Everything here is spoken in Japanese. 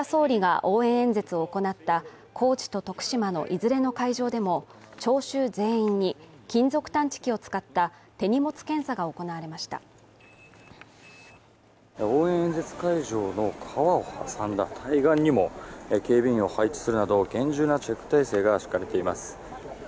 いずれの会場でも聴衆全員に金属探知機を使った手荷物検査が行われました応援演説会場の川を挟んだ対岸にも警備員を配置するなど厳重なチェック態勢が敷かれています。